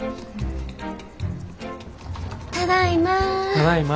ただいま。